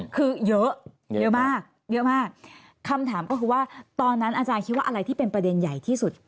คือเยอะเยอะมากเยอะมากคำถามก็คือว่าตอนนั้นอาจารย์คิดว่าอะไรที่เป็นประเด็นใหญ่ที่สุด